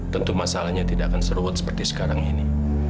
tentu masalahnya tidak akan seru seperti sekarang ini